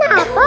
dia kena apa